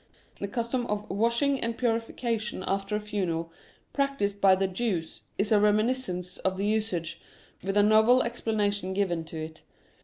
The custom of washing and purification after a funeral practised by the Jews is a remin iscence of the usage, with a novel explanation given to it.